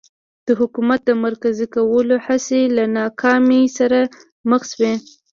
د حکومت د مرکزي کولو هڅې له ناکامۍ سره مخ شوې.